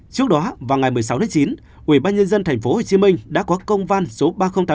trước đó vào ngày một mươi sáu chín ubnd tp hcm đã có công van số ba nghìn tám mươi sáu